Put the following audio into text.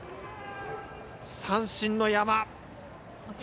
三振の山。